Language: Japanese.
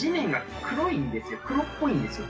黒っぽいんですよ